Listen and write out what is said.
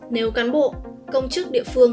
nếu cán bộ công chức địa phương